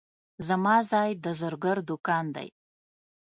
زما ځای د زرګر دوکان دی.